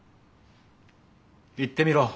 言ってみろ。